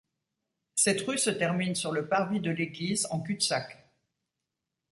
Cette rue se termine sur le parvis de l'église, en cul-de-sac.